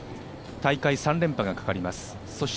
大会３連覇がかかります。